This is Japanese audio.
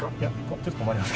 ちょっと困ります。